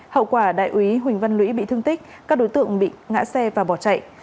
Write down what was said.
hậu quả đại úy huỳnh văn lũy bị thương tích các đối tượng bị ngã xe và bỏ chạy